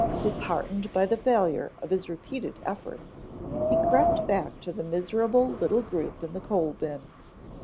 Disheartened by the failure of his repeated efforts, he crept back to the miserable little group in the coal bin.